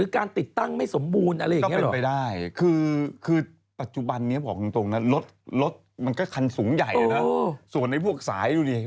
ก็เป็นไปได้คือปัจจุบันนี้บอกจริงนะรถมันก็คันสูงใหญ่ส่วนให้พวกสายดูดิ